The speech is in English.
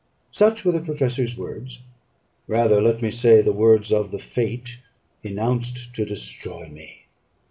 Such were the professor's words rather let me say such the words of fate, enounced to destroy me.